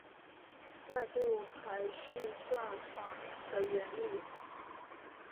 外部排序算法的原理